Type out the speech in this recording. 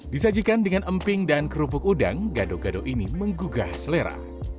disajikan dengan emping dan kerupuk udang gado gado ini menggugah selera